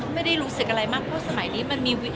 ไม่ได้รู้สึกอะไรมากเพราะสมัยนี้มันมีวิน